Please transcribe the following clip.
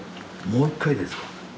・もう一回ですか？